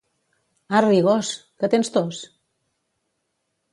Arri, gos! Que tens tos?